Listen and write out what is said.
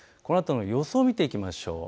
このあとの予想を見ていきましょう。